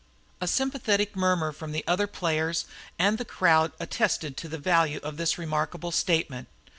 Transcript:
A sympathetic murmur from the other players and the crowd attested to the value of this remarkable statement.